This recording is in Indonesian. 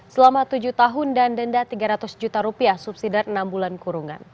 selama tujuh tahun dan denda tiga ratus juta rupiah subsidi dari enam bulan kurungan